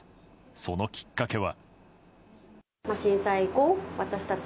そのきっかけは。